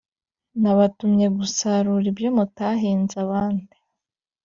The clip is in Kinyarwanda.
Nabatumye gusarura ibyo mutahinze abandi